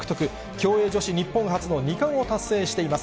競泳女子日本初の２冠を達成しています。